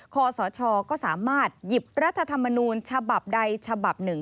คอสชก็สามารถหยิบรัฐธรรมนูญฉบับใดฉบับหนึ่ง